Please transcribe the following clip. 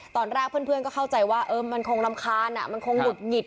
ตอนแรกเพื่อนก็เข้าใจว่ามันคงรำคาญมันคงหุดหงิด